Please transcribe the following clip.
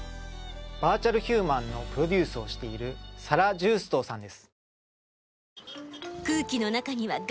バーチャルヒューマンのプロデュースをしている沙羅ジューストーさんです。